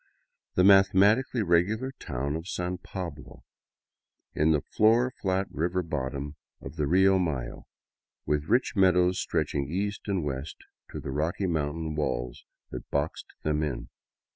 the mathematically regular town of San Pablo, in the floor flat river bottom of the Rio Mayo, with rich meadows stretching east and west to the rocky mountain walls that boxed them in.